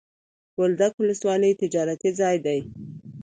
بولدک ولسوالي تجارتي ځای دی.